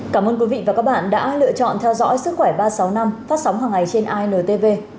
cảm ơn quý vị và các bạn đã lựa chọn theo dõi sức khỏe ba trăm sáu mươi năm phát sóng hàng ngày trên intv